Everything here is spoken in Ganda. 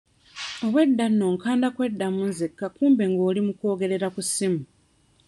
Obwedda nno nkanda kweddamu nzekka kumbe ng'oli mu kwogerera ku ssimu.